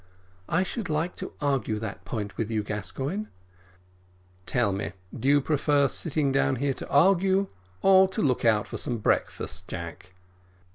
"I should like to argue that point with you, Gascoigne." "Tell me, do you prefer sitting down here to argue, or to look out for some breakfast, Jack?"